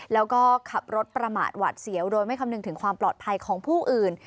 แล้วก็ขับรถประมาทหวัดเสียวโดยไม่คำนึงถึงความปลอดภัยของผู้อื่น